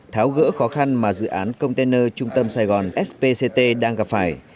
tháo gỡ khó khăn mà dự án container trung tâm sài gòn spct đang gặp phải